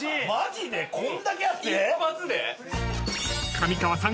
［上川さん